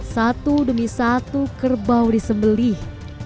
satu demi satu kerbau disembelih